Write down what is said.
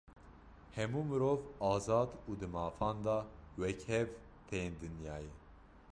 Hemû mirov, azad û di mafan de wekhev tên dinyayê